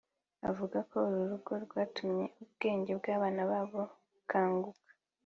avuga ko uru rugo rwatumye ubwenge bw’abana babo bukanguka